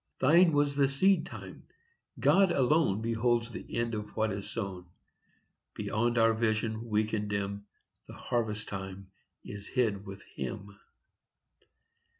Thine was the seed time: God alone Beholds the end of what is sown; Beyond our vision, weak and dim, The harvest time is hid with Him.